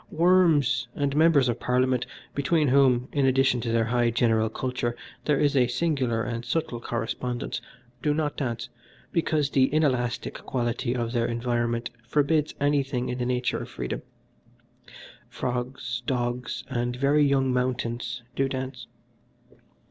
Worms and Members of Parliament, between whom, in addition to their high general culture, there is a singular and subtle correspondence, do not dance, because the inelastic quality of their environment forbids anything in the nature of freedom. Frogs, dogs, and very young mountains do dance.